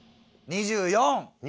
２４！